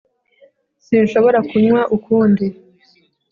sinshobora kunywa ukundi